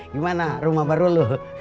gimana rumah baru lu